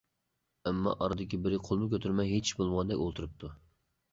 ئەمما ئارىدىكى بىرى قولمۇ كۆتۈرمەي، ھېچ ئىش بولمىغاندەك ئولتۇرۇپتۇ.